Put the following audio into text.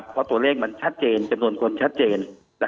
เพราะตัวเลขมันชัดเจนจำนวนคนชัดเจน